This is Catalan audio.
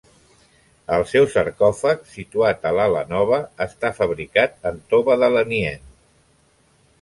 El seu sarcòfag, situat a l'ala nova, està fabricat en tova de l'Aniene.